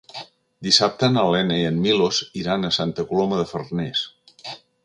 Dissabte na Lena i en Milos iran a Santa Coloma de Farners.